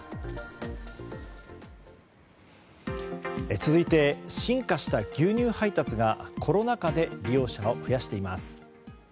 続いて進化した牛乳配達がコロナ禍で利用者を増やしています。